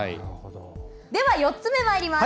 では、４つ目まいります。